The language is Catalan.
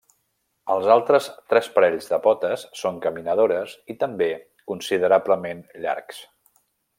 Els altres tres parells de potes són caminadores i també considerablement llargs.